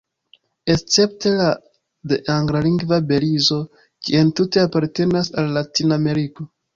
Escepte de anglalingva Belizo ĝi entute apartenas al Latin-Ameriko.